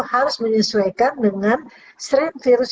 harus menyesuaikan dengan strain virus